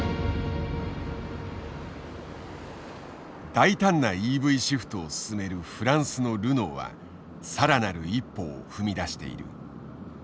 大胆なＥＶシフトを進めるフランスのルノーはさらなる一歩を踏み出している。